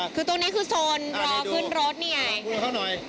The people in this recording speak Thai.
คือตรงนี้คือโซนรอก้านบองคืนรถ